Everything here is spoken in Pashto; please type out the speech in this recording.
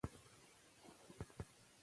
لوستې مور د ماشوم پاملرنه دوامداره ساتي.